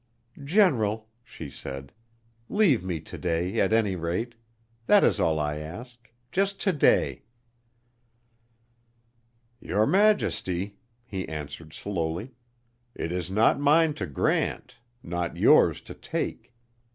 "General," she said, "leave me to day, at any rate. That is all I ask, just to day." "Your Majesty," he answered slowly, "it is not mine to grant, not yours to take.